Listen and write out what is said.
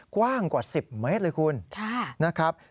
กว้างกว่า๑๐เมตรเลยคุณนะครับ